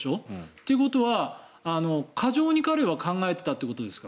ということは過剰に彼は考えていたということですか？